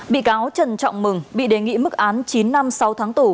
bị cáo trần trọng mừng bị đề nghị mức án chín năm sáu tháng tù